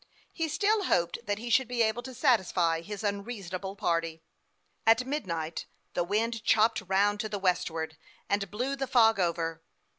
He still hoped that he should he able to satisfy his unreasonable party. At midnight the wind chopped round to the west ward, and blew the fog over.